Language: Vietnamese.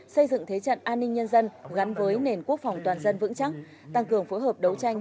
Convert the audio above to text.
xây dựng thế trận an ninh nhân dân gắn với nền quốc phòng toàn dân vững chắc tăng cường phối hợp đấu tranh